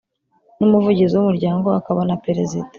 N umuvugizi w umuryango akaba na perezida